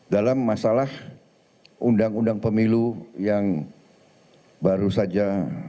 dalam masalah undang undang pemilu yang baru saja